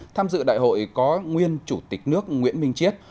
tham dự đại hội có nguyên chủ tịch nước nguyễn minh chiết